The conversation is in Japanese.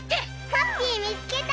ハッピーみつけた！